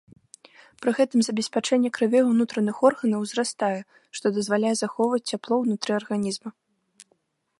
Пры гэтым забеспячэнне крывёй унутраных органаў узрастае, што дазваляе захоўваць цяпло ўнутры арганізма.